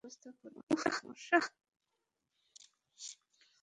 ইহুদীদের অনুরোধে শারযা একটি খোলা ময়দানে রাতে তাদের পানাহারের ব্যবস্থা করে।